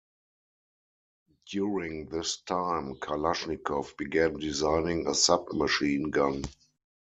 During this time Kalashnikov began designing a submachine gun.